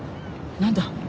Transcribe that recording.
何だ。